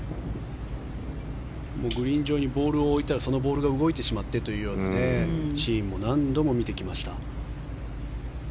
グリーン上にボールを置いたらそのボールが動いてしまってというようなシーンも何度も見てきました。